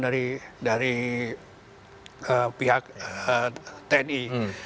bantuan dari pihak tni